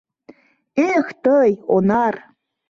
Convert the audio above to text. — Эх тый, онар!